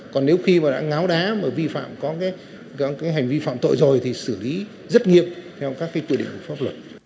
còn nếu khi mà đã ngáo đá mà vi phạm có cái hành vi phạm tội rồi thì xử lý rất nghiêm theo các quy định của pháp luật